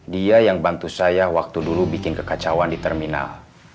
dia yang bantu saya waktu dulu bikin kekacauan di terminal